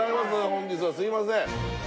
本日はすいません